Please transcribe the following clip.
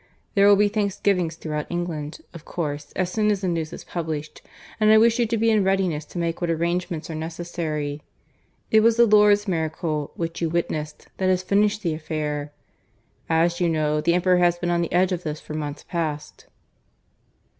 There will be thanksgivings throughout England, of course, as soon as the news is published, and I wish you to be in readiness to make what arrangements are necessary. It was the Lourdes miracle, which you witnessed, that has finished the affair. As you know, the Emperor has been on the edge of this for months past."